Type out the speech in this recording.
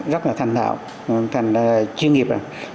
rất là thành thạo thành chuyên nghiệp rồi